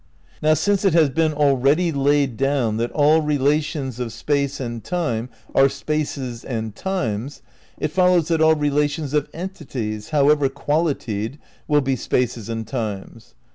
Now, since it has been already laid down that all relations of space and time are spaces and times, it follows that all relations of entities, however "qual itied," will be spaces and times.